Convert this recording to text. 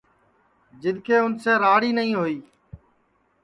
جِدؔ کہ اُنسے راڑ ہی نائی ہوئی تی